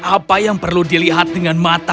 apa yang perlu dilihat dengan mata